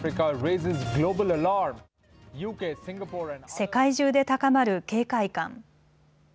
世界中で高まる警戒感。